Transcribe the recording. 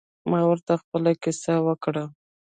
ما ورته خپله کیسه وکړه.